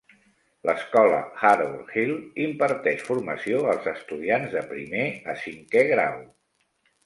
L'escola Harbor Hill imparteix formació als estudiants de primer a cinquè grau.